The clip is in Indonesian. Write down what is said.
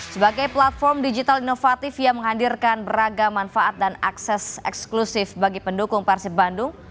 sebagai platform digital inovatif yang menghadirkan beragam manfaat dan akses eksklusif bagi pendukung persib bandung